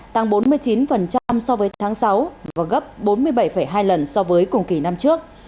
tăng bốn mươi chín so với tháng sáu và gấp bốn mươi bảy hai lần so với cùng kỳ năm trước